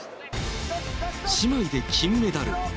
姉妹で金メダル。